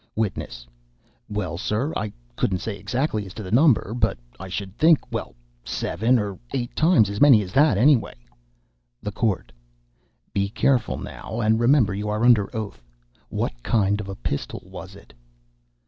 WITNESS. "Well, sir, I couldn't say exactly as to the number but I should think well, say seven or eight times as many as that, anyway." THE COURT. "Be careful now, and remember you are under oath. What kind of a pistol was it?"